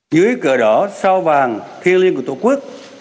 dưới cửa đỏ sao vàng thiên liên của tổ quốc